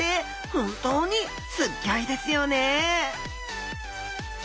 本当にすっギョいですよね